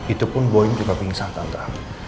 itu pun boyim juga pingsan tanta